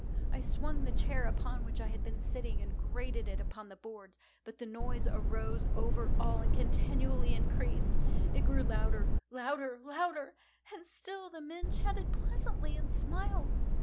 I swung the chair upon which I had been sitting, and grated it upon the boards, but the noise arose over all and continually increased. It grew louder—louder—louder! And still the men chatted pleasantly, and smiled.